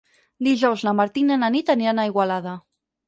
Dijous na Martina i na Nit aniran a Igualada.